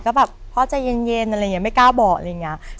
ก็แบบพ่อใจเย็นอะไรอย่างนี้ไม่กล้าบอกอะไรอย่างนี้